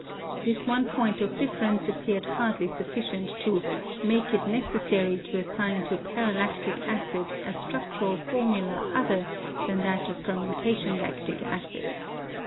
This one point of difference appeared hardly sufficient to "make it neces sary to assign to paralactic acid a structural formula other than that of the fermentation lactic acid."